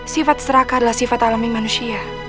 sifat serakah adalah sifat alami manusia